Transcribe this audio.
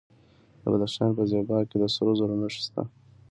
د بدخشان په زیباک کې د سرو زرو نښې شته.